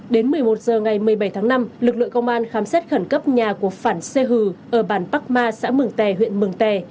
đến một mươi một h ngày một mươi bảy tháng năm lực lượng công an khám xét khẩn cấp nhà của phản xê hừ ở bản park ma xã mường tè huyện mường tè